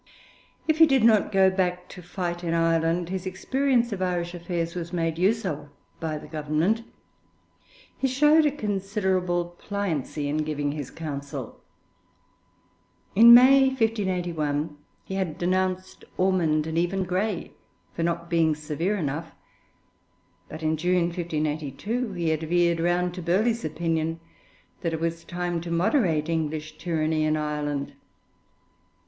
If he did not go back to fight in Ireland, his experience of Irish affairs was made use of by the Government. He showed a considerable pliancy in giving his counsel. In May 1581 he had denounced Ormond and even Grey for not being severe enough, but in June 1582 he had veered round to Burghley's opinion that it was time to moderate English tyranny in Ireland.